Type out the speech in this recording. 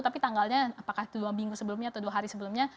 tapi tanggalnya apakah itu dua minggu sebelumnya atau dua hari sebelumnya